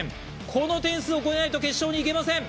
この点数を超えないと決勝にいけません。